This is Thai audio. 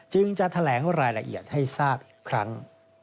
จึงจะแถลงรายละเอียดให้ทราบอีกครั้ง